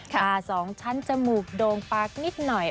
ตาสองชั้นจมูกโดมปากนิดหน่อย